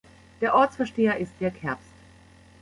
Der Ortsvorsteher ist Dirk Herbst.